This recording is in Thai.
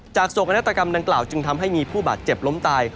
จากส่วนการณะตรกรรมดังกล่าวจึงทำให้มีผู้บาดเจ็บล้มตาย